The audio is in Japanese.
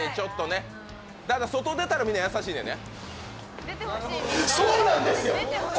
外出たらみんな優しいのね？